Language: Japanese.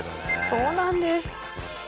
そうなんです。